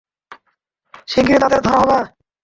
শিগগিরই তাদের ধরা হবে।